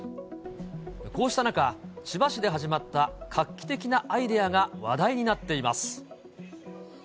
こうした中、千葉市で始まった画期的なアイデアが話題になっています。